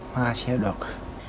makasih ya dok